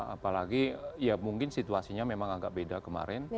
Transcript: apalagi ya mungkin situasinya memang agak beda kemarin